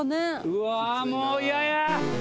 うわもう嫌や。